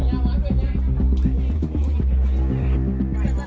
สวัสดีทุกคน